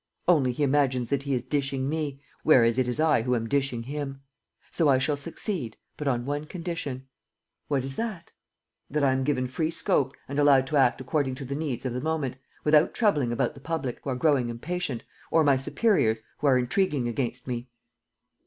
Only, he imagines that he is dishing me, whereas it is I who am dishing him. So I shall succeed, but on one condition. ..." "What is that?" "That I am given free scope and allowed to act according to the needs of the moment, without troubling about the public, who are growing impatient, or my superiors, who are intriguing against me."